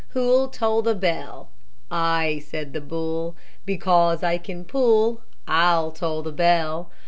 Who'll toll the bell? "I," said the bull, "Because I can pull, I'll toll the bell."